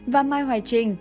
và mai hoài trinh